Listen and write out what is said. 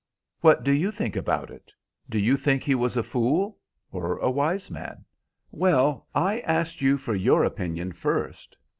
"What do you think about it? Do you think he was a fool, or a wise man?" "Well, I asked you for your opinion first.